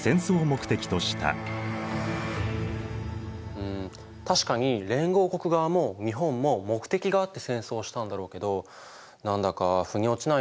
うん確かに連合国側も日本も目的があって戦争をしたんだろうけど何だかふに落ちないなあ。